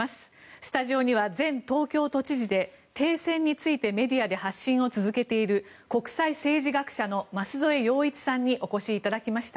スタジオには前東京都知事で停戦についてメディアで発信を続けている国際政治学者の舛添要一さんにお越しいただきました。